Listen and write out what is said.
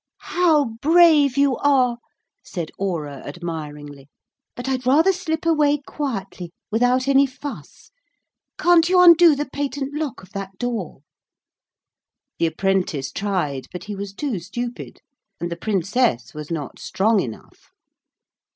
'How brave you are,' said Aura admiringly, 'but I'd rather slip away quietly, without any fuss. Can't you undo the patent lock of that door?' The apprentice tried but he was too stupid, and the Princess was not strong enough.